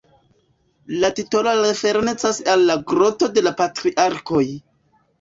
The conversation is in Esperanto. La titolo referencas al la Groto de la Patriarkoj.